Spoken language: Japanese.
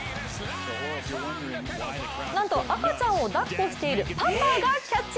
なんと赤ちゃんをだっこしているパパがキャッチ！